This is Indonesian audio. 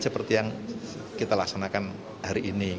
seperti yang kita laksanakan hari ini